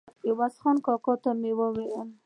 عوض خان کاکا ته مې وویل.